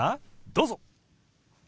どうぞ。